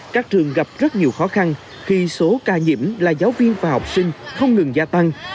các trường gặp rất nhiều khó khăn khi số ca nhiễm là giáo viên và học sinh không ngừng gia tăng